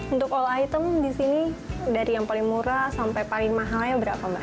untuk all item di sini dari yang paling murah sampai paling mahalnya berapa mbak